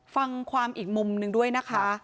ฟังความอีกมุมหนึ่งด้วยนะคะ